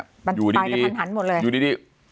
ตายกันทันหมดเลยอยู่ดี